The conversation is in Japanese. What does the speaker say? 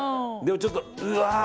でも、ちょっと。